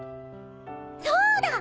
そうだ！